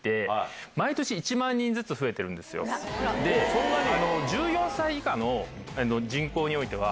そんなに！